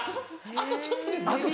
あとちょっとや。